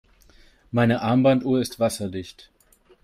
Meine Armbanduhr ist wasserdicht.